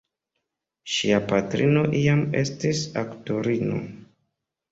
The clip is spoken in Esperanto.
Ŝia patrino iam estis aktorino.